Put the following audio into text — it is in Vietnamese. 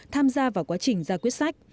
tham gia vào quá trình ra quyết sách